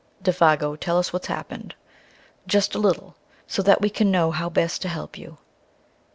"Défago, tell us what's happened just a little, so that we can know how best to help you?"